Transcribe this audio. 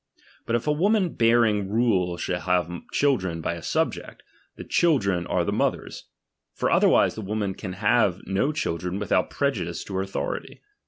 But if a woman bearing rule shall have children by a subject, the children are the mother's ; for otherwise the wo man can have no children without prejudice to her authority.